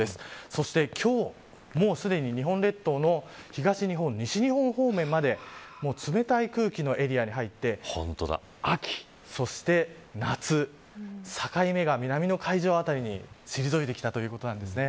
そして今日もうすでに日本列島の東日本、西日本方面まで冷たい空気のエリアに入って秋、そして夏境目が南の海上辺りに退いてきたということなんですね。